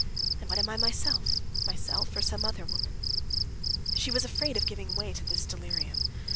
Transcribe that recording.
And what am I myself? Myself or some other woman?" She was afraid of giving way to this delirium.